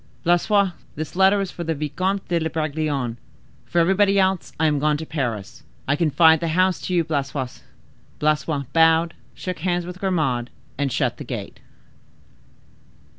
"Blaisois, this letter for the Vicomte de Bragelonne. For everybody else I am gone to Paris. I confide the house to you, Blaisois." Blaisois bowed, shook hands with Grimaud, and shut the gate.